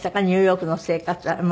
ニューヨークの生活は。